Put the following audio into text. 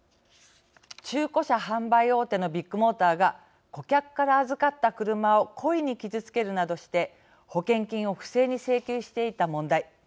中古車販売大手のビッグモーターが顧客から預かった車を故意に傷つけるなどして保険金を不正に請求していた問題。